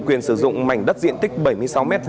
quyền sử dụng mảnh đất diện tích bảy mươi sáu m hai